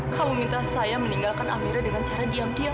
kamu minta saya meninggalkan amira dengan cara diam diam